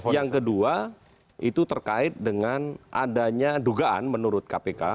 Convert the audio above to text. yang kedua itu terkait dengan adanya dugaan menurut kpk